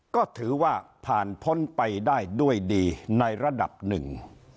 ก็ถือว่าผ่านพ้นไปได้ด้วยดีในระดับหนึ่ง